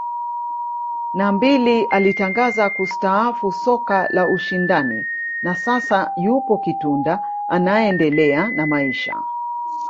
na mbili alitangaza kustaafu soka la ushindani na sasa yupo Kitunda anaendelea na maisha